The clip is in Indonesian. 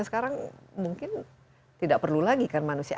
sekarang mungkin tidak perlu lagi kan manusia